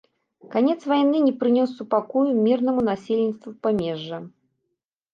Канец вайны не прынёс супакою мірнаму насельніцтву памежжа.